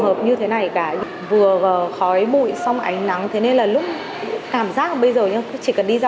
hợp như thế này cả vừa khói bụi xong ánh nắng thế nên là lúc cảm giác bây giờ chỉ cần đi ra